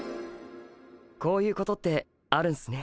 こういうことってあるんすね。